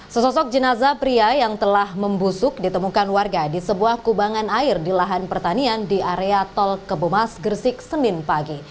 sesosok jenazah pria yang telah membusuk ditemukan warga di sebuah kubangan air di lahan pertanian di area tol kebomas gresik senin pagi